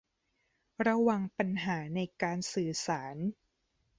ระวังปัญหาในการสื่อสาร